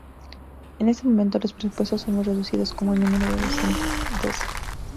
En ese momento los presupuestos son muy reducidos como el número de docentes, doce.